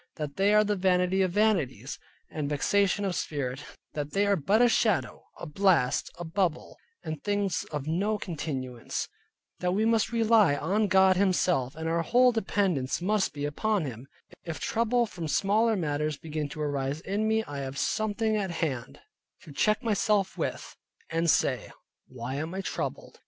That they are the vanity of vanities, and vexation of spirit, that they are but a shadow, a blast, a bubble, and things of no continuance. That we must rely on God Himself, and our whole dependance must be upon Him. If trouble from smaller matters begin to arise in me, I have something at hand to check myself with, and say, why am I troubled?